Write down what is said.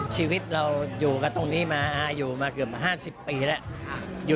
ชีวิตเราอยู่กันตรงนี้มาอยู่มาเกือบ๕๐ปีแล้ว